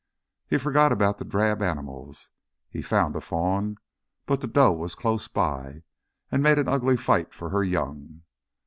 He forgot about the drab animals. He found a fawn, but the doe was close by and made an ugly fight for her young.